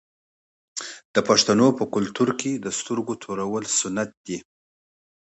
د پښتنو په کلتور کې د سترګو تورول سنت دي.